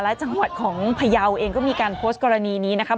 และจังหวัดของพยาวเองก็มีการโพสต์กรณีนี้นะครับ